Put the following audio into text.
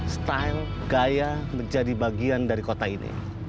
style gaya menjadi bagian dari kota ini